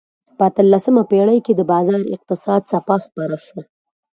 په اتلسمه پېړۍ کې د بازار اقتصاد څپه خپره شوه.